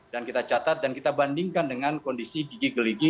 kita catat dan kita bandingkan dengan kondisi gigi gigi